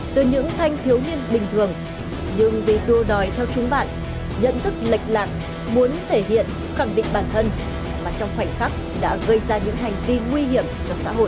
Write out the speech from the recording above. từ những thanh thiếu niên bình thường nhưng vì đua đòi theo chúng bạn nhận thức lệch lạc muốn thể hiện khẳng định bản thân mà trong khoảnh khắc đã gây ra những hành vi nguy hiểm cho xã hội